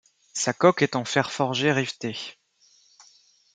Sa coque est en fer forgé riveté.